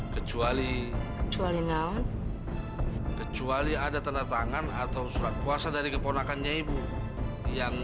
kecuali kecuali ada tanda tangan atau surat kuasa dari keponakannya ibu yang